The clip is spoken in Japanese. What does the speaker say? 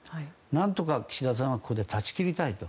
何とか岸田さんはここで断ち切りたいと。